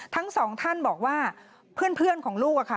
ทั้งสองท่านบอกว่าเพื่อนของลูกอะค่ะ